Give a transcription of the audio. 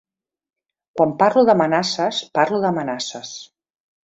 Quan parlo d’amenaces parlo d’amenaces.